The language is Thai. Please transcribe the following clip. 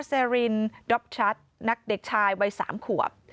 เซรินด๊อปชัดนักเด็กชายวัย๓ขวบ